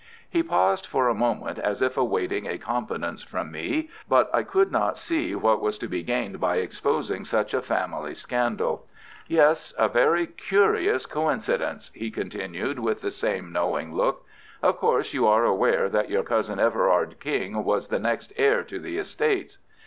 He paused for a moment as if awaiting a confidence from me, but I could not see what was to be gained by exposing such a family scandal. "Yes, a very curious coincidence," he continued, with the same knowing look. "Of course, you are aware that your cousin Everard King was the next heir to the estates.